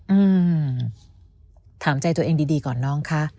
อื้อถามใจตัวเองดีก่อนค่ะ